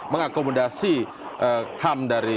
mengakomodasi ham dari